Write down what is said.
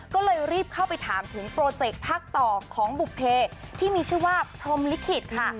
ก็เลยรีบเข้าไปถามถึงโปรเจกต์ภาคต่อของบุภเพที่มีชื่อว่าพรมลิขิตค่ะ